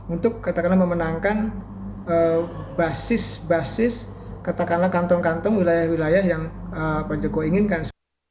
untuk katakanlah memenangkan basis basis katakanlah kantong kantong wilayah wilayah yang pak jokowi inginkan